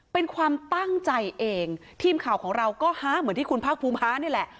เป็นความตั้งใจเองทีมข่าวของเราก็ฮ้าเหมือนที่คุณภาคภูมิฮ้านี่แหละ